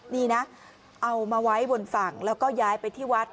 นี่นะเอามาไว้บนฝั่งแล้วก็ย้ายไปที่วัด